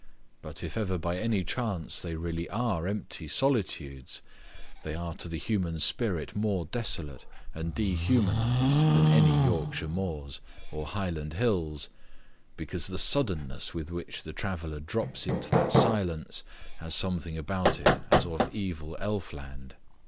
But if ever by any chance they really are empty solitudes they are to the human spirit more desolate and dehumanized than any Yorkshire moors or Highland hills, because the suddenness with which the traveller drops into that silence has something about it as of evil elf land.